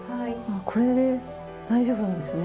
これで大丈夫なんですね？